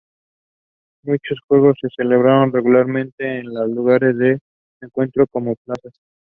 Muchos juegos se celebran regularmente en lugares de encuentro como plazas.